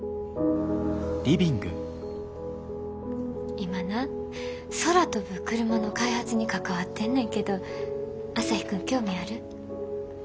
今な空飛ぶクルマの開発に関わってんねんけど朝陽君興味ある？